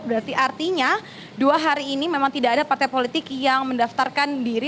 berarti artinya dua hari ini memang tidak ada partai politik yang mendaftarkan diri